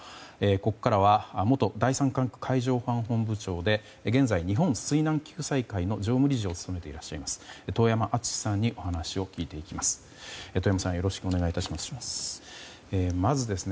ここからは元第３管区海上保安本部長で現在、日本水難救済会常務理事を務めていらっしゃいます遠山純司さんにお話を聞いてきます。